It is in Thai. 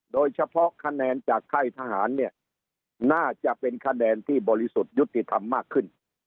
โดยเฉพาะคะแนนจากค่ายทหารเนี่ยน่าจะเป็นคะแนนที่บริสุทธิ์ยุติธรรมมากขึ้น